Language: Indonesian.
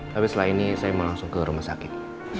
tapi setelah ini saya mau langsung ke rumah sakit